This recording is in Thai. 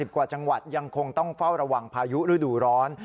กว่าจังหวัดยังคงต้องเฝ้าระวังพายุฤดูร้อน